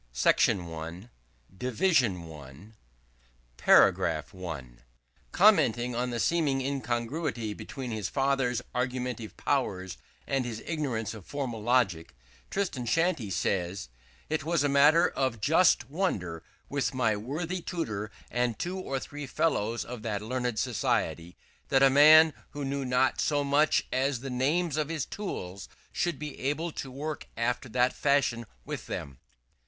i. The Principle of Economy. § 1. Commenting on the seeming incongruity between his father's argumentative powers and his ignorance of formal logic, Tristram Shandy says: "It was a matter of just wonder with my worthy tutor, and two or three fellows of that learned society, that a man who knew not so much as the names of his tools, should be able to work after that fashion with them."